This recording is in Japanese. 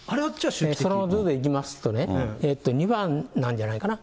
そのルールでいきますと、２番なんじゃないかな。